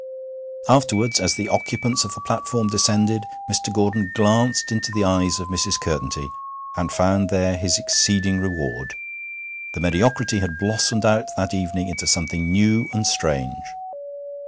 Afterwards, as the occupants of the platform descended, Mr. Gordon glanced into the eyes of Mrs. Curtenty, and found there his exceeding reward. The mediocrity had blossomed out that evening into something new and strange.